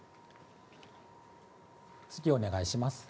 次、お願いします。